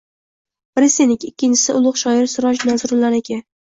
Biri seniki, ikkinchisi ulug` shoir Siroj Narzullaniki